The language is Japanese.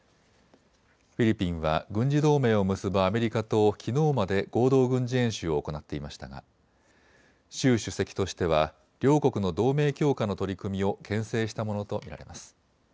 フィリピンは軍事同盟を結ぶアメリカときのうまで合同軍事演習を行っていましたが習主席としては両国の同盟強化の取り組みをけん制したものと見られます。